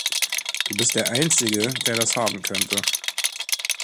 Du bist der einzige, der das haben könnte.